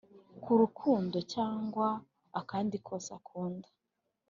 k’urukundo cyangwa akandi kose akunda,